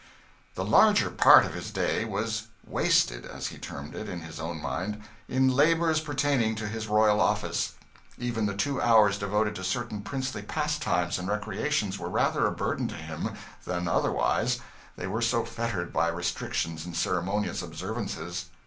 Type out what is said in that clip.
The larger part of his day was 'wasted' as he termed it, in his own mind in labours pertaining to his royal office. Even the two hours devoted to certain princely pastimes and recreations were rather a burden to him than otherwise, they were so fettered by restrictions and ceremonious observances.